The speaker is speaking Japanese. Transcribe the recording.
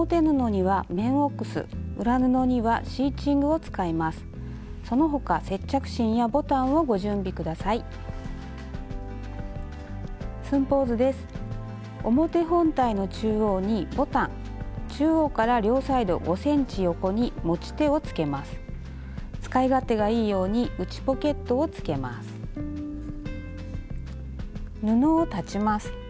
布を裁ちます。